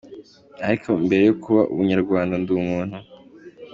Ariko mbere yo kuba umunyarwanda, ndi umuntu.